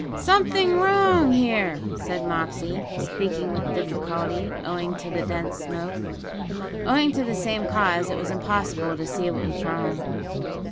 "Something wrong here," said Moxey, speaking with difficulty, owing to the dense smoke. Owing to the same cause, it was impossible to see what was wrong.